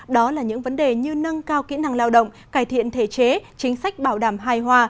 đó là những vấn đề như nâng cao kỹ năng lao động cải thiện thể chế chính sách bảo đảm hài hòa